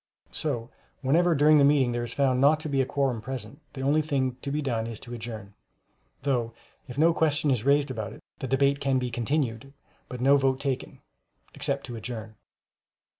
So whenever during the meeting there is found not to be a quorum present, the only thing to be done is to adjourn—though if no question is raised about it, the debate can be continued, but no vote taken, except to adjourn.